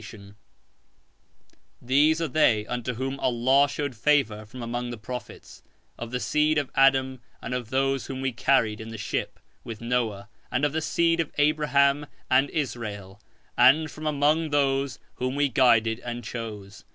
P: These are they unto whom Allah showed favour from among the prophets, of the seed of Adam and of those whom We carried (in the ship) with Noah, and of the seed of Abraham and Israel, and from among those whom We guided and chose.